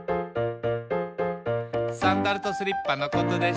「サンダルとスリッパのことでした」